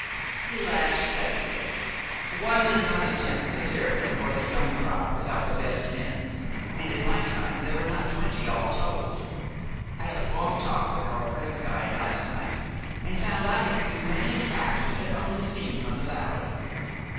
He laughed pleasantly. "One does not attempt the Cervin or the Jungfrau without the best men, and in my time there were not twenty, all told. I had a long talk with our present guide last night, and found I had used many a track he had only seen from the valley."